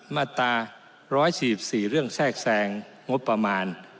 มาตรา๑๔๔เรื่องแทรกแทรงงบประมาณ